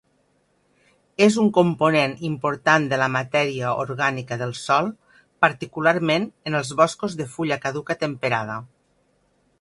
És un component important de la matèria orgànica del sòl, particularment en els boscos de fulla caduca temperada.